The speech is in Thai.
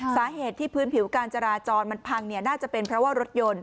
สาเหตุที่พื้นผิวการจราจรมันพังน่าจะเป็นเพราะว่ารถยนต์